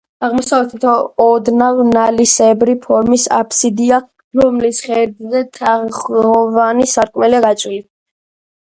აღმოსავლეთით ოდნავ ნალისებრი ფორმის აბსიდია, რომლის ღერძზე, თაღოვანი სარკმელია გაჭრილი.